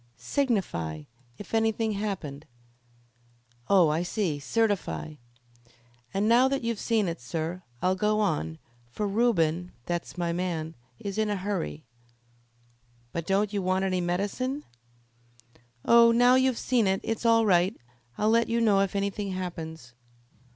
"Signify, if anything happened." "Oh, I see certify." "And now that you've seen it, sir, I'll go on, for Reuben that's my man is in a hurry." "But don't you want any medicine?" "Oh, now you've seen it, it's all right. I'll let you know if anything happens."